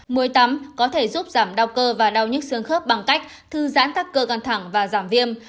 muối tắm có thể giúp giảm đau cơ và đau nhức xương khớp bằng cách thư giãn tắc cơ căng thẳng và giảm viêm